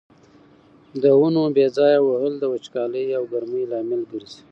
د ونو بې ځایه وهل د وچکالۍ او ګرمۍ لامل ګرځي.